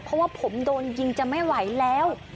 เพราะว่าผมโดนยิงจะไม่ไหวแล้ว